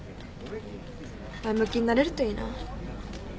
前向きになれるといいな。